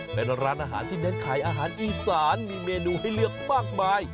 เป็นร้านอาหารที่เน้นขายอาหารอีสานมีเมนูให้เลือกมากมาย